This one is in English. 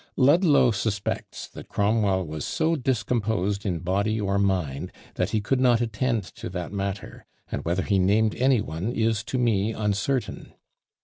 Ludlow suspects that Cromwell was "so discomposed in body or mind, that he could not attend to that matter; and whether he named any one is to me uncertain."